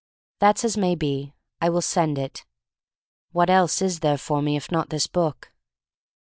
That's as may be. I will send it. What else is there for me, if not this book?